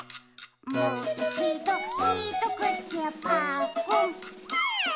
「もういちどひとくちぱっくん」ま。